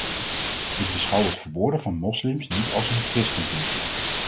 Ik beschouw het vermoorden van moslims niet als een christenplicht.